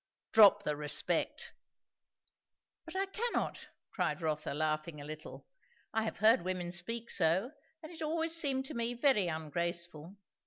"Drop the respect." "But I cannot!" cried Rotha, laughing a little. "I have heard women speak so, and it always seemed to me very ungraceful.